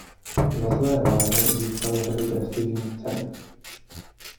Za své romány získal řadu prestižních cen.